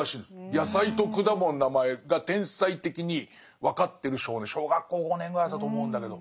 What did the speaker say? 野菜と果物の名前が天才的に分かってる小学校５年ぐらいだと思うんだけど。